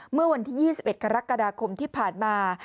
เมื่อวันที่๒๑กรกฎาคมที่ผ่านมา